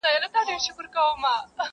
نوي جامې نه لرم زه نوي څپلۍ نه لرم -